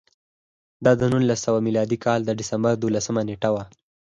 دا د نولس سوه میلادي کال د ډسمبر دولسمه نېټه وه